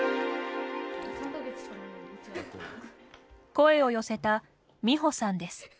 声を寄せた美保さんです。